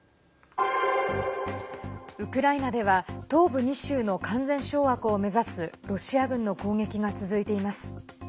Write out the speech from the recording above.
ウクライナでは東部２州の完全掌握を目指すロシア軍の攻撃が続いています。